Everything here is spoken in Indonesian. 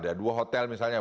ada dua hotel misalnya